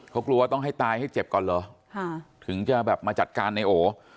เขากลัวต้องให้ตายให้เจ็บก่อนเหรอถึงจะแบบมาจัดการในโอ